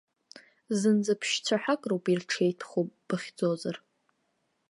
Зынӡа ԥшь-цәаҳәак роуп ирҽеитәхо, бахьӡозар.